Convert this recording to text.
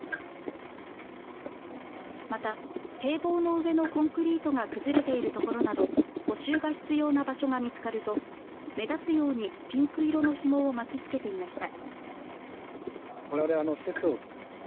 また、堤防の上のコンクリートが崩れている所など補修が必要な場所が見つかると目立つようにピンク色のひもを巻きつけていました。